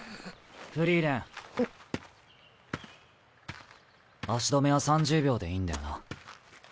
・フリーレン・足止めは３０秒でいいんだよな。